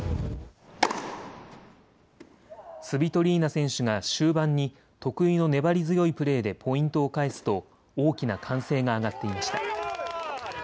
スビトリーナ選手が終盤に得意の粘り強いプレーでポイントを返すと大きな歓声が上がっていました。